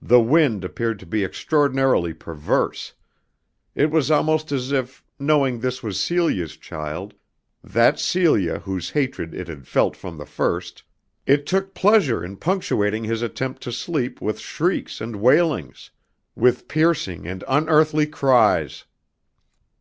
The wind appeared to be extraordinarily perverse. It was almost as if, knowing this was Celia's child, that Celia whose hatred it had felt from the first, it took pleasure in punctuating his attempt to sleep with shrieks and wailings, with piercing and unearthly cries.